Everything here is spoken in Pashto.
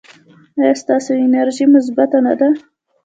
ایا ستاسو انرژي مثبت نه ده؟